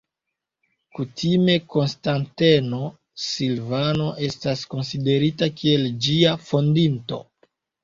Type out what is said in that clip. Kutime Konstanteno Silvano estas konsiderita kiel ĝia fondinto.